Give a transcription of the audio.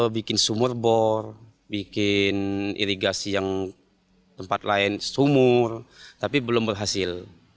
bikin sumur bor bikin irigasi yang tempat lain sumur tapi belum berhasil